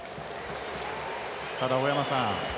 ただ、大山さん